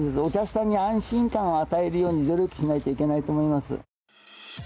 お客さんに安心感を与えるように努力しないといけないと思います。